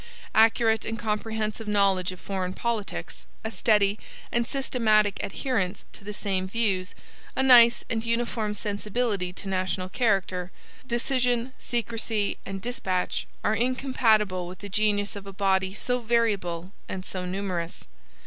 Accurate and comprehensive knowledge of foreign politics; a steady and systematic adherence to the same views; a nice and uniform sensibility to national character; decision, secrecy, and despatch, are incompatible with the genius of a body so variable and so numerous.